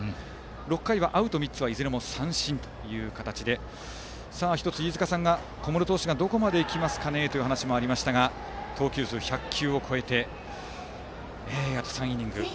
６回はアウト３つはいずれも三振という形で１つ、飯塚さんから小室投手がどこまで行くかという話がありましたが投球数、１００球を超えてあと３イニング。